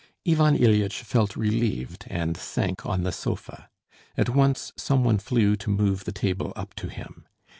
Ivan Ilyitch felt relieved and sank on the sofa; at once some one flew to move the table up to him.